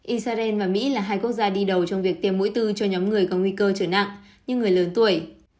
israel và mỹ là hai quốc gia đi đầu trong việc tiêm mũi tư cho nhóm người có nguy cơ trở nặng như người lớn tuổi